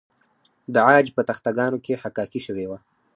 د عاج په تخته ګانو کې حکاکي شوې وه